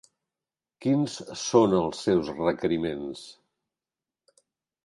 Quins són els seus requeriments?